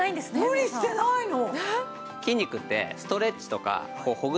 無理してないの。